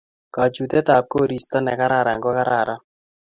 kachutet ab koristo ne kararan ko kararan